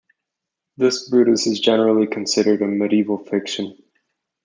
This Brutus is generally considered a medieval fiction.